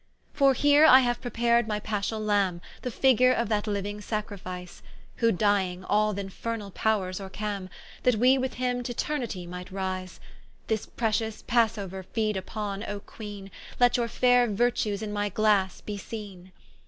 For here I haue prepar'd my Paschal Lambe, The figure of that liuing Sacrifice; Who dying, all th'Infernall powres oercame, That we with him t'Eternitie might rise: This pretious Passeouer feed vpon, O Queene, Let your faire Virtues in my Glasse be seene.